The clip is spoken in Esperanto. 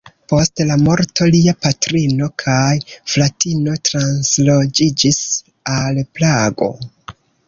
Post la morto, lia patrino kaj fratino transloĝiĝis al Prago.